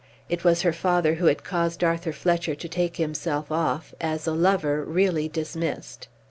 It was her father who had caused Arthur Fletcher to take himself off, as a lover really dismissed.